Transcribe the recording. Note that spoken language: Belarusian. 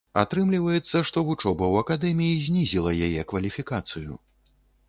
Атрымліваецца, што вучоба ў акадэміі знізіла яе кваліфікацыю.